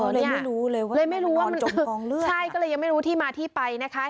เลยไม่รู้เลยว่าเลยไม่รู้ว่ามันคือของเลือดใช่ก็เลยยังไม่รู้ที่มาที่ไปนะคะ